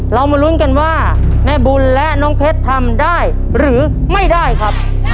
มาลุ้นกันว่าแม่บุญและน้องเพชรทำได้หรือไม่ได้ครับ